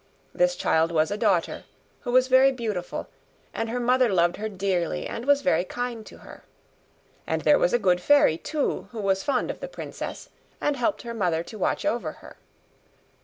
This child was a daughter, who was very beautiful; and her mother loved her dearly, and was very kind to her. And there was a good fairy too, who was fond of the princess, and helped her mother to watch over her.